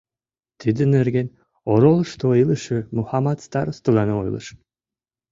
Тидын нерген оролышто илыше Мухамат старостылан ойлыш.